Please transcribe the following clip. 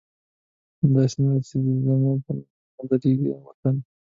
نه، داسې نه ده چې زموږ به نه یادېږي وطن